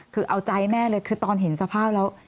คือเอาใจแม่เลยคือตอนเห็นสภาพแล้ว